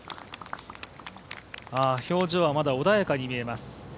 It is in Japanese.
表情はまだ穏やかに見えます。